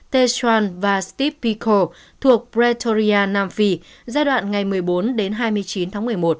teixuan và stipico thuộc pretoria nam phi giai đoạn ngày một mươi bốn đến hai mươi chín tháng một mươi một